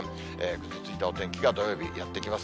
ぐずついたお天気が土曜日、やって来ます。